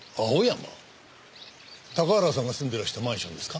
高原さんが住んでいらしたマンションですか？